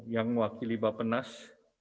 yang wakili bapak nas